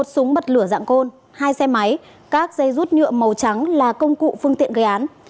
một súng bật lửa dạng côn hai xe máy các dây rút nhựa màu trắng là công cụ phương tiện gây án